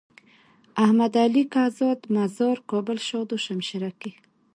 احمد علي کهزاد مزار کابل شاه دو شمشيره کي۔